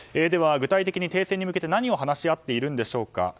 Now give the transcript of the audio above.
具体的に停戦に向けて何を話し合っているんでしょうか。